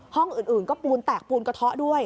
ห้องอื่นก็ปูนแตกปูนกระเทาะด้วย